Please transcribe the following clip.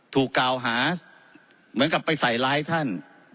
ถูกกล่าวหาเหมือนกับไปใส่ร้ายท่าน